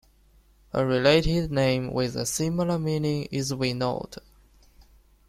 A related name with a similar meaning is Vinod.